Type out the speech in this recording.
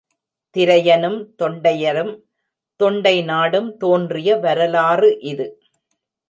திரையனும், தொண்டையரும், தொண்டை நாடும் தோன்றிய வரலாறு இது.